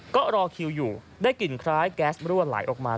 ก็รอคิวอยู่ได้กลิ่นคล้ายแก๊สรั่วไหลออกมา